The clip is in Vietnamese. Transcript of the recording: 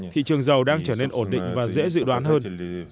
thị trường dầu đang trở nên ổn định và dễ dự đoán hơn